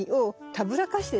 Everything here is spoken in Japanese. たぶらかして？